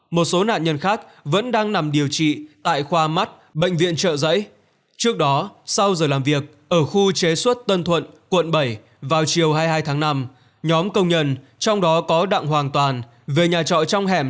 một số nạn nhân khác vẫn đang nằm điều trị tại khoa mắt bệnh viện trợ giấy trước đó sau giờ làm việc ở khu chế xuất tân thuận quận bảy vào chiều hai mươi hai tháng năm nhóm công nhân trong đó có đặng hoàng toàn về nhà trọ trong hẻm